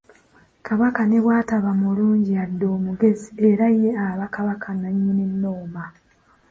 Kabaka ne bw'ataba mulungi yadde omugezi, era ye aba Kabaka nannyini nnoma.